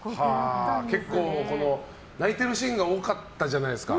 結構、泣いているシーンが多かったじゃないですか。